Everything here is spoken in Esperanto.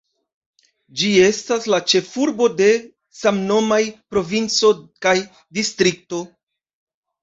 Ĝi estas la ĉefurbo de samnomaj provinco kaj distrikto.